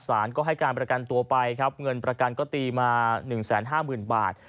ศาลก็ให้การประกันตัวไปครับเงินประกันก็ตีมาหนึ่งแสนห้าหมื่นบาท